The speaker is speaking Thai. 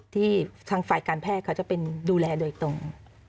ที่ทางฝ่ายการแพทย์เขาจะเป็นดูแลโดยตรง